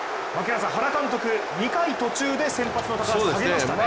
原監督、２回途中で先発の高橋を下げましたね。